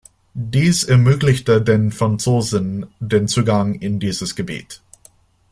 Dies ermöglichte den Franzosen den Zugang in dieses Gebiet.